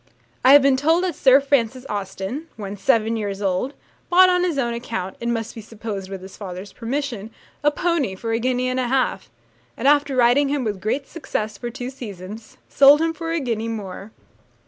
I have been told that Sir Francis Austen, when seven years old, bought on his own account, it must be supposed with his father's permission, a pony for a guinea and a half; and after riding him with great success for two seasons, sold him for a guinea more.